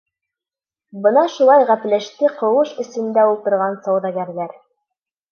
Бына шулай гәпләште ҡыуыш эсендә ултырған сауҙагәрҙәр.